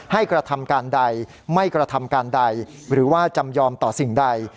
กระทำการใดไม่กระทำการใดหรือว่าจำยอมต่อสิ่งใด